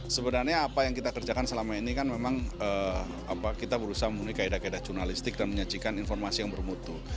sebenarnya apa yang kita kerjakan selama ini kan memang kita berusaha memenuhi kaedah kaedah jurnalistik dan menyajikan informasi yang bermutu